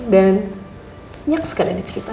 dan nyaksa kalian diceritain